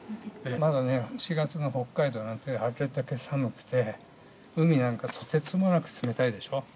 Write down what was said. まだ４月の北海道なんて寒くて海なんかとてつもなく冷たいでしょう。